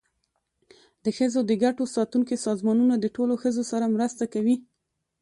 د ښځو د ګټو ساتونکي سازمانونه د ټولو ښځو سره مرسته کوي.